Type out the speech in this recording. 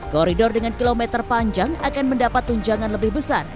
koridor dengan kilometer panjang akan mendapat tunjangan lebih besar